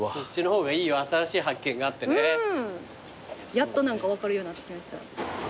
やっと何か分かるようになってきました。